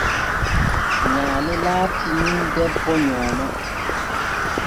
Nyaale latii nun debbo nyooma.